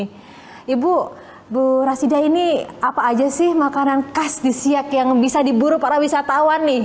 ibu bu rasidah ini apa aja sih makanan khas di siak yang bisa diburu para wisatawan nih